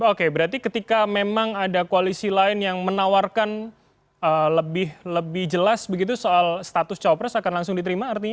oke berarti ketika memang ada koalisi lain yang menawarkan lebih jelas begitu soal status cawapres akan langsung diterima